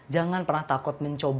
jangan pernah takut mencoba